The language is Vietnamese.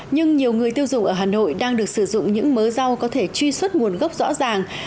nhưng nhiều người tiêu dùng ở hà nội đang được sử dụng những mớ rau có thể truy xuất nguồn gốc rõ ràng